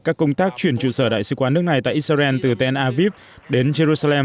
các công tác chuyển trụ sở đại sứ quán nước này tại israel từ tel aviv đến jerusalem